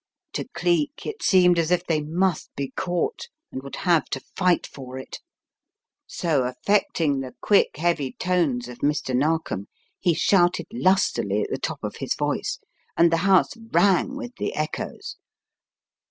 To Cleek it seemed as if they must be caught and would have to fight for it. So affecting the quick, heavy tones of Mr. Narkom he shouted lustily at the top of his voice, and the house rang with the echoes.